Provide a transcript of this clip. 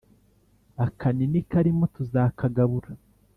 Akanini karimo tuzakagabura